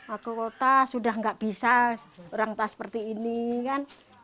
aku kota sudah nggak bisa orang tas seperti ini kan